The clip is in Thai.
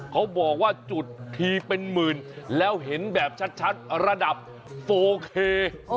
เขาบอกว่าจุดทีเป็นหมื่นแล้วเห็นแบบชัดระดับโฟเค